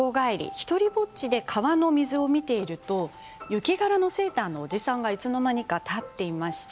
独りぼっちで川の水を見ていると雪柄のセーターのおじさんがいつのまにか立っていました。